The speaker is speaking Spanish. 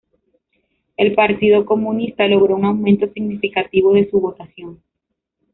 El Partido Comunista logró un aumento significativo de su votación.